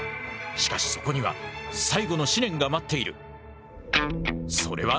しかしそこには最後の試練が待っている。